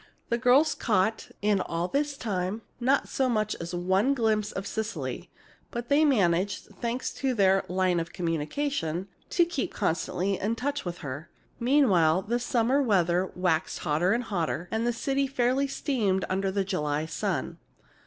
The girls caught, in all this time, not so much as one glimpse of Cecily, but they managed, thanks to their "line of communication," to keep constantly in touch with her. Meantime, the summer weather waxed hotter and hotter, and the city fairly steamed under the July sun.